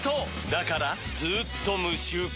だからずーっと無臭化！